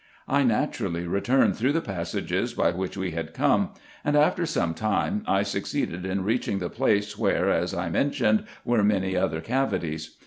I naturally returned through the passages, by which we had come ; and, after some time, I succeeded in reaching the place, where, as I mentioned, were many other cavities.